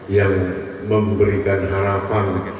yang memberikan harapan